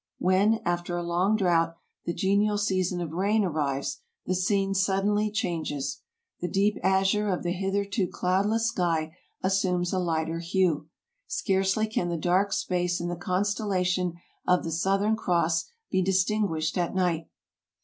When, after a long drought, the genial season of rain arrives, the scene suddenly changes. The deep azure of the hitherto cloudless sky assumes a lighter hue. Scarcely can the dark space in the constellation of the Southern Cross be distinguished at night.